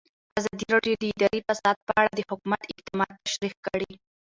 ازادي راډیو د اداري فساد په اړه د حکومت اقدامات تشریح کړي.